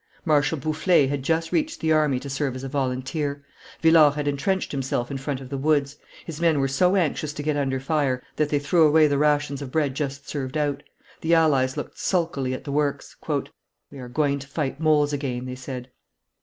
Marshal Boufflers had just reached the army to serve as a volunteer. Villars had intrenched himself in front of the woods; his men were so anxious to get under fire, that they threw away the rations of bread just served out; the allies looked sulkily at the works. "We are going to fight moles again," they said.